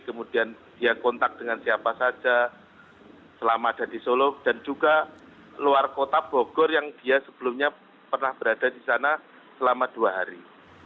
kemudian dia kontak dengan siapa saja selama ada di solo dan juga luar kota bogor yang dia sebelumnya pernah berada di sana selama dua hari